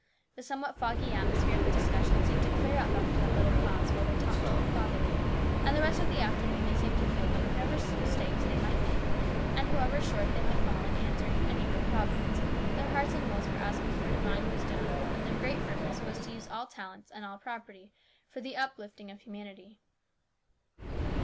The somewhat foggy atmosphere of the discussion seemed to clear up after that little pause, while they talked with their Father, and the rest of the afternoon they seemed to feel that what ever mistakes they might make, and however short they might fall of answering any real problems, their hearts and wills were asking for divine wisdom, and their great purpose was to use all talents and all property for the uplifting of humanity.